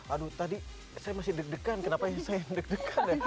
aduh tadi saya masih deg degan kenapa ya saya yang deg degan ya